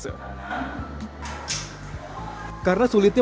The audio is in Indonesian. karena sulitnya menemukan cacing tanah kartini mencari cacing yang berbeda